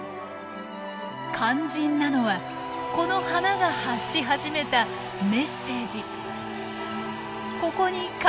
肝心なのはこの花が発し始めたメッセージ。